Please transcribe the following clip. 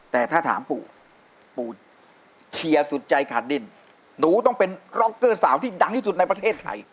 แต่ถ้าถามปู่ปู่เชียร์สุดใจขาดดินหนูต้องเป็นร็อกเกอร์สาวที่ดังที่สุดในประเทศไทย